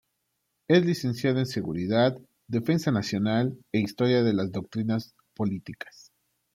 Es licenciado en Seguridad, Defensa Nacional e Historia de las Doctrinas Políticas.